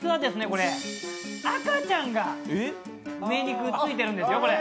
これ、赤ちゃんが上にくっついてるんですよ、これ。